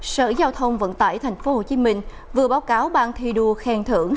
sở giao thông vận tải tp hcm vừa báo cáo ban thi đua khen thưởng